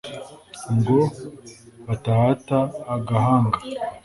ngo batahata agahanga